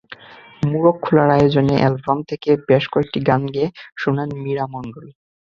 মোড়ক খোলার আয়োজনে অ্যালবাম থেকে বেশ কয়েকটি গান গেয়ে শোনান মীরা মণ্ডল।